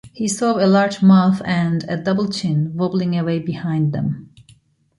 He saw a large mouth and a double chin wobbling away behind them.